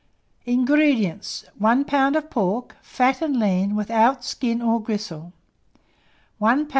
INGREDIENTS. 1 lb. of pork, fat and lean, without skin or gristle; 1 lb.